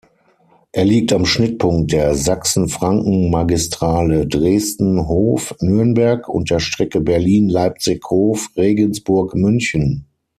Er liegt am Schnittpunkt der Sachsen-Franken-Magistrale Dresden–Hof–Nürnberg und der Strecke Berlin–Leipzig–Hof–Regensburg–München.